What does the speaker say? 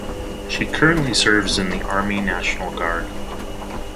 She currently serves in the Army National Guard.